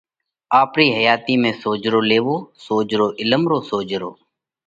آپرِي حياتِي ۾ سوجھرو لياوو، سوجھرو عِلم رو سوجھرو۔